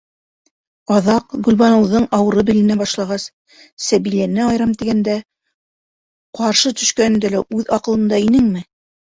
Аҙаҡ, Гөлбаныуҙың ауыры беленә башлағас, Сәбиләне айырам тигәндә ҡаршы төшкәнендә лә үҙ аҡылында инеңме?!